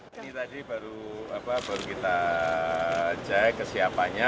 ini tadi baru kita cek kesiapannya